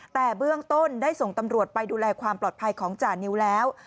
แต่เบื้องต้นได้ส่งตำรวจไปดูแลความปลอดภัยของจานิวแล้ว